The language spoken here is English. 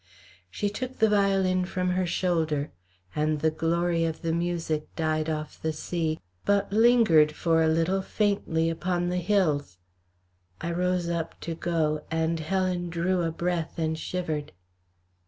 She took the violin from her shoulder, and the glory of the music died off the sea, but lingered for a little faintly upon the hills. I rose up to go and Helen drew a breath and shivered.